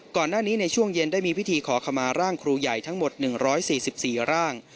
ก่อนหน้านี้ในช่วงเย็นได้มีพิธีขอขมาร่างครูใหญ่ทั้งหมด๑๔๔ร่าง